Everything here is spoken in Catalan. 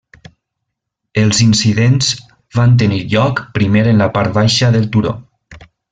Els incidents van tenir lloc primer en la part baixa del turó.